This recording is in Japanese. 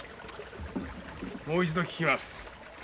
もう一度聞きます。